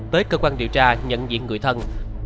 tới cơ quan điều tra nhận diện người thân